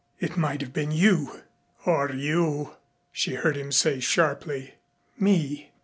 "It might have been you." "Or you," she heard him say sharply. "Me?"